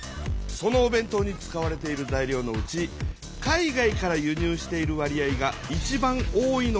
そのおべん当に使われている材料のうち海外から輸入している割合がいちばん多いのは？